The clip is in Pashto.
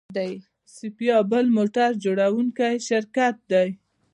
سایپا بل موټر جوړوونکی شرکت دی.